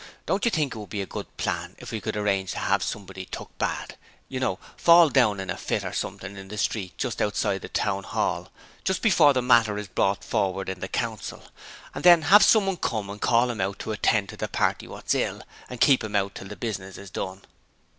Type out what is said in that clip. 'Don't you think it would be a good plan if we could arrange to 'ave somebody took bad you know, fall down in a fit or something in the street just outside the Town 'All just before the matter is brought forward in the Council, and then 'ave someone to come and call 'im out to attend to the party wot's ill, and keep 'im out till the business is done.'